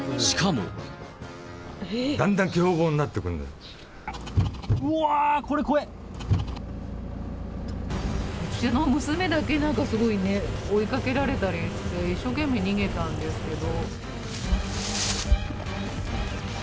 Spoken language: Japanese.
だんだん凶暴になってくるんうわー、うちの娘だけ、なんかすごいね、追いかけられたりして、一生懸命逃げたんですけど。